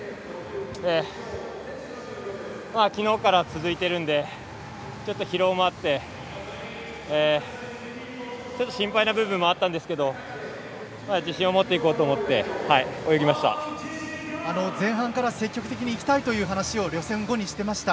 きのうから続いているのでちょっと疲労もあってちょっと心配な部分もあったんですけど自信を持っていこうと思って泳ぎました。